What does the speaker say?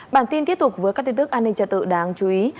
bản tin tiếp tục với các tin tức an ninh trật tự đáng chú ý